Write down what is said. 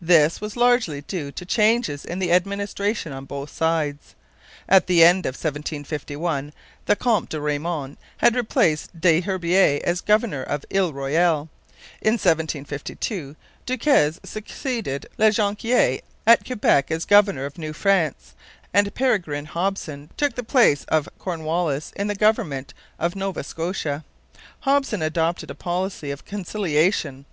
This was largely due to changes in the administration on both sides. At the end of 1751 the Count de Raymond had replaced Des Herbiers as governor of Ile Royale; in 1752 Duquesne succeeded La Jonquiere at Quebec as governor of New France; and Peregrine Hopson took the place of Cornwallis in the government of Nova Scotia. Hopson adopted a policy of conciliation.